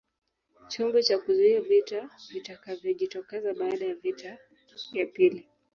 Chombo cha kuzuia vita vitakavyojitokeza baada ya vita ya pili